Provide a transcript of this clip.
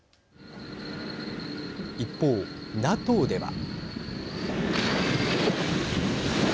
一方、ＮＡＴＯでは。